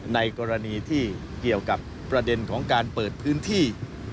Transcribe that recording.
ในกรณีที่เกี่ยวกับประเด็นของการเปิดพื้นที่